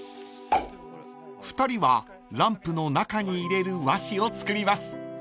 ［２人はランプの中に入れる和紙を作ります］